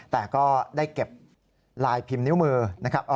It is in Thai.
แต่ก็ได้เก็บลายพิมพ์นิ้วมือนะครับ